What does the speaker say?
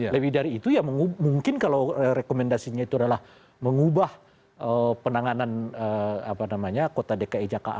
lebih dari itu ya mungkin kalau rekomendasinya itu adalah mengubah penanganan kota dki jakarta